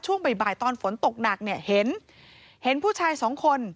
ช่วงบ่ายตอนฝนตกหนักเห็นผู้ชายสองคน